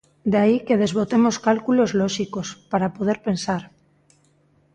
De aí que desbotemos cálculos lóxicos, para poder pensar.